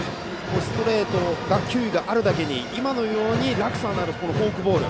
ストレートに球威があるだけに今のように落差のあるフォークボール。